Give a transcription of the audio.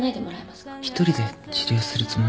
一人で治療するつもりですか？